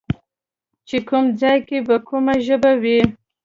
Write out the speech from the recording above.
چې کوم ځای کې به کومه ژبه وي